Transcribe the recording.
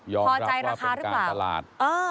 ยอมรับว่าเป็นการตลาด